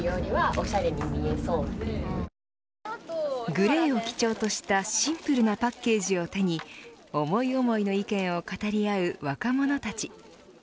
グレーを基調としたシンプルなパッケージを手に思い思いの意見を語り合う若者たち。